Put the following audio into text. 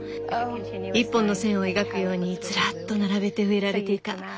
一本の線を描くようにずらっと並べて植えられていた。